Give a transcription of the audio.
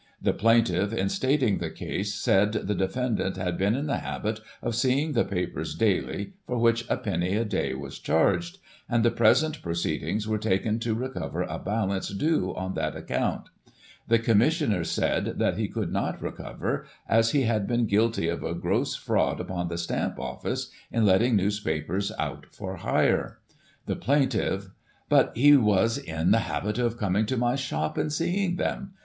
The plaintiff, in stating the case, said the de fendant had been in the habit of seeing the papers daily, for which a penny a day was charged, and the present pro ceedings were taken to recover a balance due on that account The Commissioners said that he could not recover, as he had been guilty of a gross fraud upon the Stamp Office in letting newspapers out for hire. The plaintiff: But he was in the habit of coming to my shop, and seeing them.